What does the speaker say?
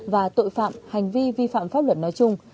và tội phạm hành vi vi phạm pháp luật nói chung